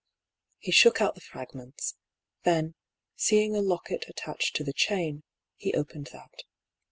He shook out the fragments ; then, seeing a locket attached to the chain, he opened that.